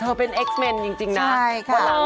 เธอเป็นเอ็กซ์เมนจริงนะก่อนหลังใช่ค่ะ